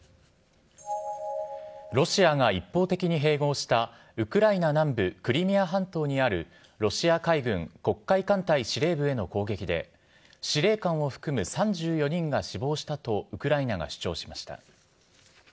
ロシアが一方的に併合したウクライナ南部クリミア半島にある、ロシア海軍黒海艦隊司令部への攻撃で、司令官を含む３４人が死亡したとウクライナが主張しました。